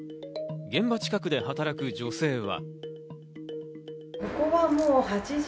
現場近くで働く女性は。